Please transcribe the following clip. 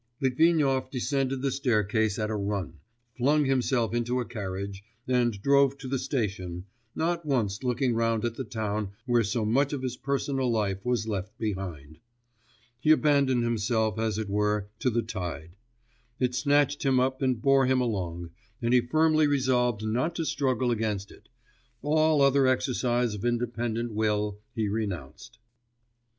Litvinov descended the staircase at a run, flung himself into a carriage, and drove to the station, not once looking round at the town where so much of his personal life was left behind. He abandoned himself, as it were, to the tide; it snatched him up and bore him along, and he firmly resolved not to struggle against it ... all other exercise of independent will he renounced.